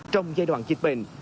trong giai đoạn dịch bệnh